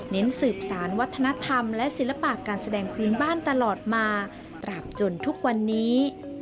สืบสารวัฒนธรรมและศิลปะการแสดงพื้นบ้านตลอดมาตราบจนทุกวันนี้